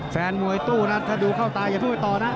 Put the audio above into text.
แฟนมวยตู้นะถ้าดูเข้าตาอย่าเพิ่งไปต่อนะ